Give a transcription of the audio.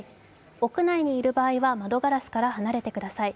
屋内にいる場合は窓ガラスから離れてください。